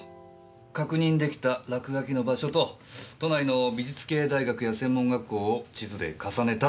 確認出来た落書きの場所と都内の美術系大学や専門学校を地図で重ねたってわけだ。